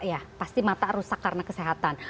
ya pasti mata rusak karena kesehatan